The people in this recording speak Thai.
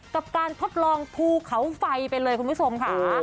กับการทดลองภูเขาไฟไปเลยคุณผู้ชมค่ะ